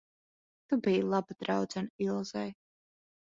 Tu biji laba draudzene Ilzei.